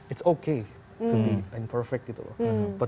itu oke untuk menjadi sempurna gitu loh